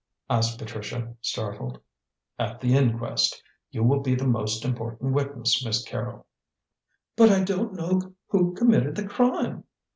asked Patricia, startled. "At the inquest. You will be the most important witness, Miss Carrol." "But I don't know who committed the crime."